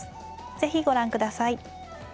是非ご覧下さい。